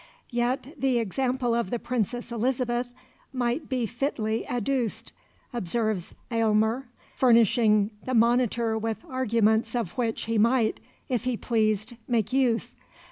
Yet the example of the Princess Elizabeth might be fitly adduced, observes Aylmer, furnishing the monitor with arguments of which he might, if he pleased, make use.